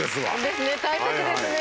ですね大切ですね。